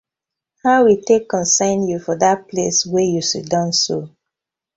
How e tak concern yu for dat place wey yu siddon so?